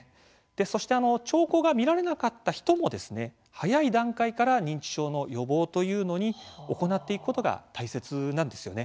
そしてあの兆候が見られなかった人もですね早い段階から認知症の予防というのを行っていくことが大切なんですよね。